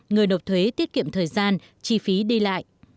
người nộp thuế tiết kiệm thời gian chi phí đi lại